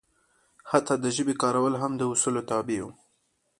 حتی د ژبې کارول هم د اصولو تابع وو.